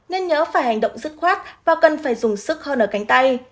nên nhớ phải hành động dứt khoát và cần phải dùng sức hơn ở cánh tay